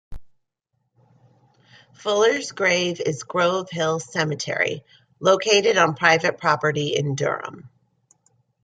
Fuller's grave is Grove Hill Cemetery, located on private property in Durham.